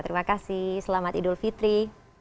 terima kasih selamat idul fitri